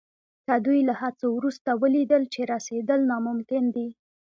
که دوی له هڅو وروسته ولیدل چې رسېدل ناممکن دي.